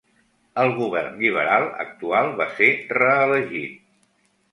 El govern Lliberal actual va ser re-elegit.